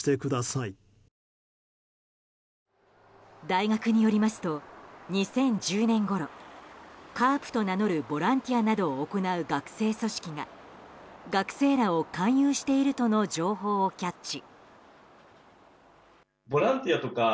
大学によりますと２０１０年ごろＣＡＲＰと名乗るボランティアなどを行う学生組織が学生らを勧誘しているとの情報をキャッチ。